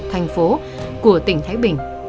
thành phố của tỉnh thái bình